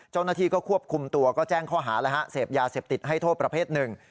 เจ้าหน้าที่ก็ควบคุมตัวก็แจ้งข้อหาแล้วฮะเสพยาเสพติดให้โทษประเภทหนึ่ง